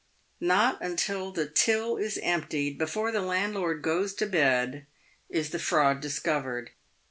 Not until the till is emptied, before the landlord goes to bed, is the fraud discovered.